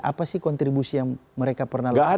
apa sih kontribusi yang mereka pernah lakukan